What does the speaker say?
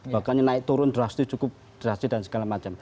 bahkannya naik turun drastis cukup drastis dan segala macam